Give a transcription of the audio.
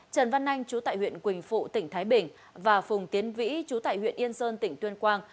trần văn anh chú tại huyện quỳnh phụ tỉnh thái bình và phùng tiến vĩ chú tại huyện yên sơn tỉnh tuyên quang